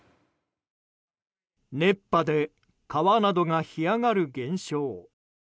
熱波で川などが干上がる現象。